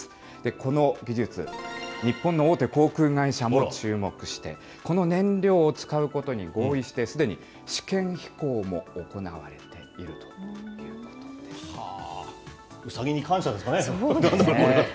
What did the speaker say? この技術、日本の大手航空会社も注目して、この燃料を使うことに合意して、すでに試験飛行も行われているということなんです。